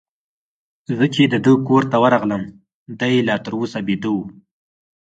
زه چي د ده کور ته ورغلم، دی لا تر اوسه بیده وو.